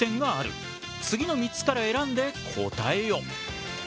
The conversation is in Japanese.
次の３つから選んで答えよ。